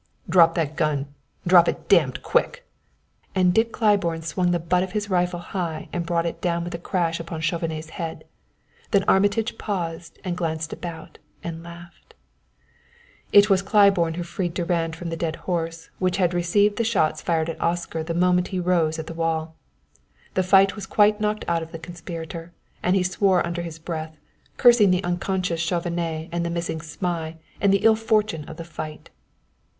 "Drop that gun drop it damned quick!" and Dick Claiborne swung the butt of his rifle high and brought it down with a crash on Chauvenet's head; then Armitage paused and glanced about and laughed. It was Claiborne who freed Durand from the dead horse, which had received the shots fired at Oscar the moment he rose at the wall. The fight was quite knocked out of the conspirator, and he swore under his breath, cursing the unconscious Chauvenet and the missing Zmai and the ill fortune of the fight.